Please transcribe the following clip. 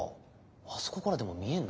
あそこからでも見えんだ。